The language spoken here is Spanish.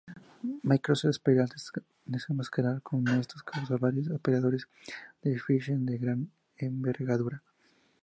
Microsoft espera desenmascarar con estos casos a varios operadores de phishing de gran envergadura.